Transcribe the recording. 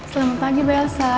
selamat pagi belsa